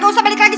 jangan balik lagi